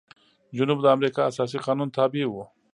جنوب د امریکا اساسي قانون تابع و.